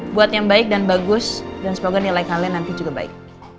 buat yang baik dan bagus dan semoga nilai kalian nanti juga baik